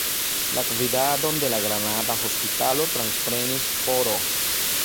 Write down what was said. La gvidadon de la granada hospitalo transprenis Fr.